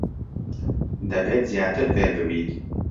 دەبێت زیاتر فێر ببیت.